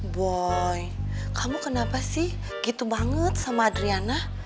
boy kamu kenapa sih gitu banget sama adriana